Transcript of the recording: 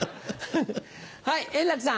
はい円楽さん。